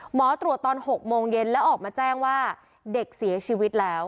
หมอตรวจตอน๖โมงเย็นแล้วออกมาแจ้งว่าเด็กเสียชีวิตแล้ว